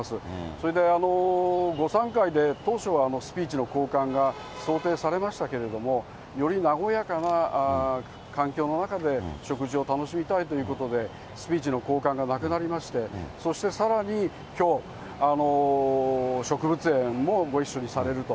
それで午さん会で、当初はスピーチの交換が想定されましたけれども、より和やかな環境の中で植樹を楽しみたいということで、スピーチの交換がなくなりまして、そしてさらにきょう、植物園もご一緒にされると。